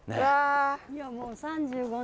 いやもう３５年。